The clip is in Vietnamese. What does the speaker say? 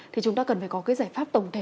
thì chúng ta cần phải có cái giải pháp tổng thể